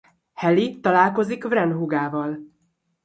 Hallie találkozik Wren húgával.